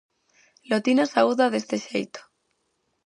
Lotina saúda deste xeito.